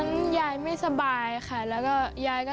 นิดหน่อยค่ะ